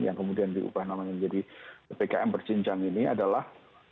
yang kemudian diubah namanya menjadi ppkm berjinjang ini adalah